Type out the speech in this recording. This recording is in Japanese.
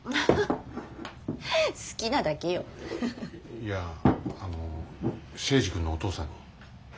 いやあの征二君のお父さんに。